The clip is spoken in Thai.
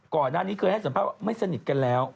ก่อนหน้านี้เคยให้สัมภาษณ์ไม่สนิทกันแล้ว